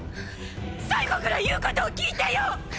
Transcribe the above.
最期ぐらい言うことを聞いてよ！